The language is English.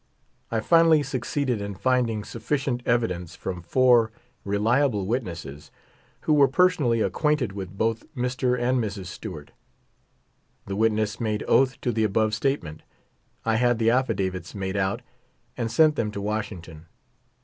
I finally succeeded in finding suflftcient evidence from four reliable witnesses, who were person ally acquainted with both Mr. and Mrs. Stewart. The witness made oath to the above statement. I had the aflSdavits made out, and sent them to Washington.